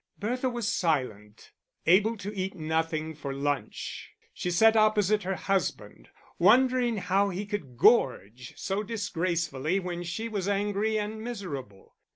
Bertha was silent, able to eat nothing for luncheon; she sat opposite her husband, wondering how he could gorge so disgracefully when she was angry and miserable.